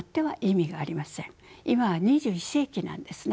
今は２１世紀なんですね。